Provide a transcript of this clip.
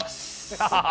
アハハハ！